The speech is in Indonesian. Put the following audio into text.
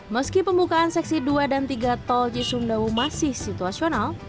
meski pembukaan seksi dua dan tiga tol cisumdawu masih situasional